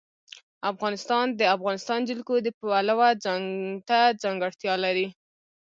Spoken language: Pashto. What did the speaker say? افغانستان د د افغانستان جلکو د پلوه ځانته ځانګړتیا لري.